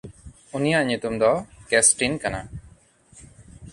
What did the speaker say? ᱩᱱᱤᱭᱟᱜ ᱧᱩᱛᱩᱢ ᱫᱚ ᱠᱮᱥᱴᱤᱱ ᱠᱟᱱᱟ᱾